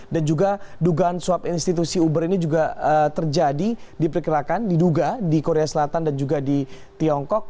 dan juga dugaan suap institusi uber ini juga terjadi diperkirakan diduga di korea selatan dan juga di tiongkok